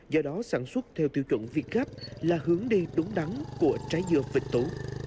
do đó sản xuất theo tiêu chuẩn vịt gắp là hướng đi đúng đắn của trái dưa vĩnh tú